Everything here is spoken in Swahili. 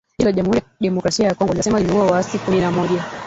Jeshi la Jamuhuri ya Demokrasia ya Kongo linasema limeua waasi kumi na moja